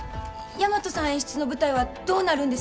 大和さん演出の舞台はどうなるんですか？